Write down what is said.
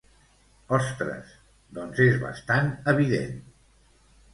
Ostres, doncs és bastant evident.